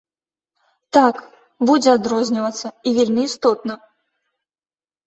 Так, будзе адрознівацца, і вельмі істотна!!!!